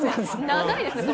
長いですね